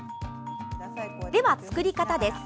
では、作り方です。